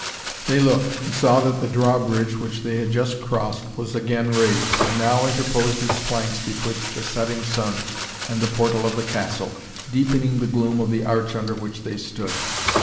They looked, and saw that the drawbridge which they had just crossed was again raised, and now interposed its planks betwixt the setting sun and the portal of the castle, deepening the gloom of the arch under which they stood.